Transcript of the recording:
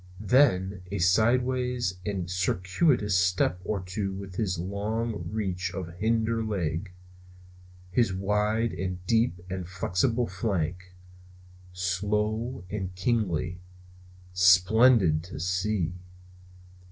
Then a sidewise and circuitous step or two with his long reach of hinder leg, his wide and deep and flexible flank; slow and kingly; splendid to see!